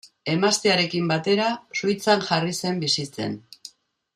Emaztearekin batera, Suitzan jarri zen bizitzen.